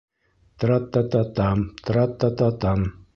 Трра-та-та-там, тра-та-та-там!